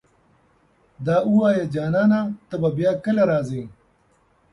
دا اووايه جانانه ته به بيا کله راځې